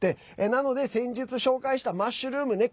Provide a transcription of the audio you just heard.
なので、先日紹介したマッシュルームね。